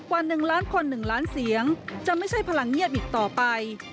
กว่า๑ล้านคน๑ล้านเสียงจะไม่ใช่พลังเงียบอีกต่อไป